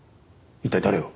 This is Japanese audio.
一体誰を？